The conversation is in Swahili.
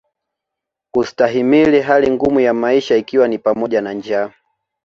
Kustahimili hali ngumu ya maisha ikiwa ni pamoja na njaa